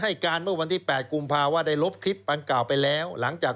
ให้การเมื่อวันที่๘กุมพาว่าได้ลบคลิปปังกร่าวไปแล้ว